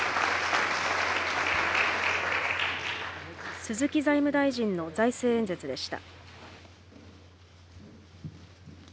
鈴木財務大臣の財政演説でした。